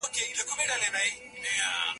کیدای شي یو عادي کس لوی فکر ولري.